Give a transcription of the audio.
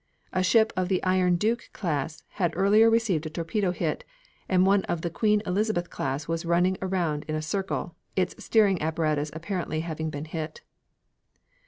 A ship of the Iron Duke class had earlier received a torpedo hit, and one of the Queen Elizabeth class was running around in a circle, its steering apparatus apparently having been hit.